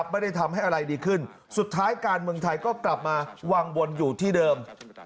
ไม่ได้ทำให้อะไรดีขึ้นสุดท้ายการเมืองไทยก็กลับมาวางบนอยู่ที่เดิม